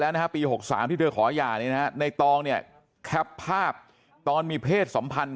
แล้วนะฮะปี๖๓ที่เธอขอหย่าในตองเนี่ยแคปภาพตอนมีเพศสัมพันธ์